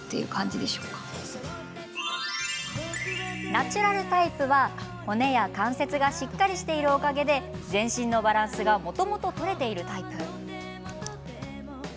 ナチュラルタイプは、骨や関節がしっかりしているおかげで全身のバランスがもともと取れているタイプ。